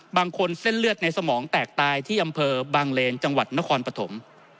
บางคนเส้นเลือดในสมองแตกตายที่อำเภอบางเลนจังหวัดนครปฐม